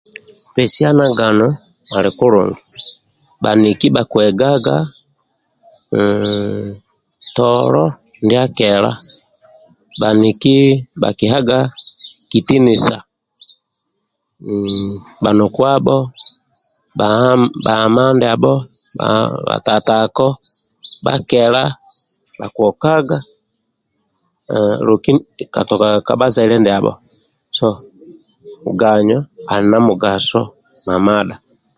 Pesiano gano ali kulungi bhaniki bhakiegaga hhh tolo ndia kela bhaniki bhakieaga kitinisa bhanukuabho bha ama ndiabhob bhatatako bhakela bhakiokaga katuka ka bhazaile ndiabho so ganyo ali na mugaso mamadha